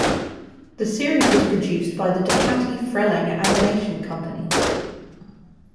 The series was produced by the DePatie-Freleng animation company.